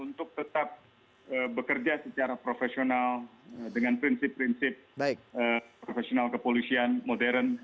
untuk tetap bekerja secara profesional dengan prinsip prinsip profesional kepolisian modern